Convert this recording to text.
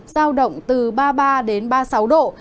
giao động từ ba mươi ba đến ba mươi sáu độ